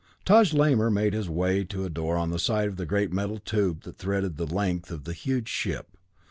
Taj Lamor made his way to a door in the side of a great metal tube that threaded the length of the huge ship.